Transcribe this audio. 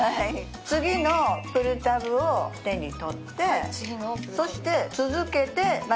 次のプルタブを手に取ってそして続けてまた３つ編みます。